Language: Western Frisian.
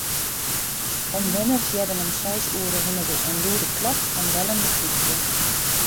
Omwenners hearden om seis oere hinne in lûde klap en bellen de plysje.